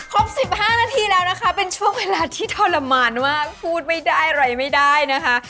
ครบ๑๕นาทีแล้วนะคะเป็นช่วงเวลาที่ทรมานมากพูดไม่ได้อะไรไม่ได้นะคะ